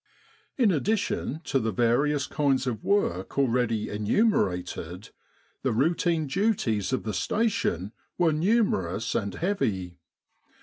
In addition to the various kinds of work already enumerated, the routine duties of the Station were numerous and heavy.